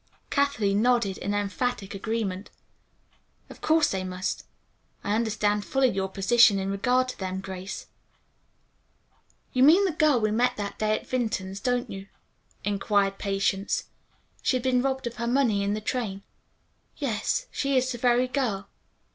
Kathleen nodded in emphatic agreement. "Of course they must. I understand fully your position in regard to them, Grace." "You mean the girl we met that day at Vinton's, don't you?" inquired Patience. "She had been robbed of her money in the train." "Yes; she is the very girl."